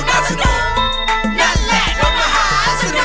นั่นแหละน้องมหาสนุก